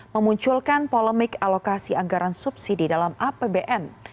memunculkan polemik alokasi anggaran subsidi dalam apbn